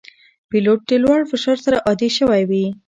پیلوټ د لوړ فشار سره عادي شوی وي.